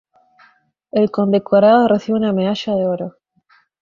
El condecorado recibe una medalla de oro.